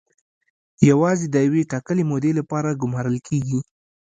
یوازې د یوې ټاکلې مودې لپاره ګومارل کیږي.